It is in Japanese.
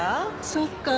そっか。